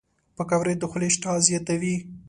پکورې د خولې اشتها زیاتوي